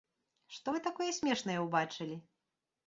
Што вы такое смешнае ўбачылі?